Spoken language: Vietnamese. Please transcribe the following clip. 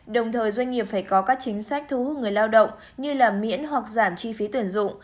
đồng thời doanh nghiệp phải có các chính sách thu hút người lao động như miễn hoặc giảm chi phí tuyển dụng